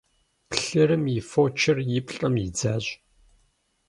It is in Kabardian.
Плъырым и фочыр и плӀэм идзащ.